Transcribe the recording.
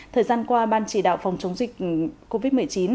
thời gian qua ban chỉ đạo phòng chống dịch covid một mươi chín